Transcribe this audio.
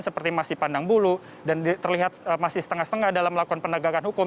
seperti masih pandang bulu dan terlihat masih setengah setengah dalam melakukan penegakan hukum